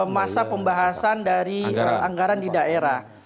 masa pembahasan dari anggaran di daerah